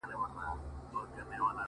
تڼاکي زړه چي د ښکلا په جزيرو کي بند دی’